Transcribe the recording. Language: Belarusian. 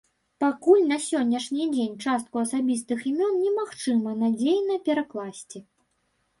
Пакуль на сённяшні дзень частку асабістых імён не магчыма надзейна перакласці.